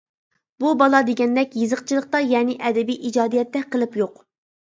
بۇ بالا دېگەندەك، يېزىقچىلىقتا يەنى ئەدەبىي ئىجادىيەتتە قېلىپ يوق.